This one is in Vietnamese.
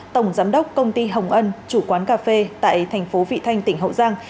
tổng giám đốc công ty hồng ân chủ quán cà phê tại thành phố vị thanh tỉnh hậu giang